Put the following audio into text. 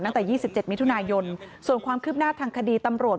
ตั้งแต่๒๗มิถุนายนส่วนความคืบหน้าทางคดีตำรวจ